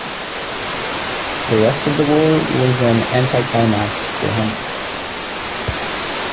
The rest of the war was an anticlimax for Hunt.